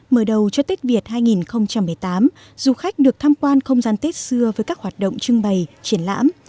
mở đầu cho tết việt hai nghìn một mươi tám du khách được tham quan không gian tết xưa với các hoạt động trưng bày triển lãm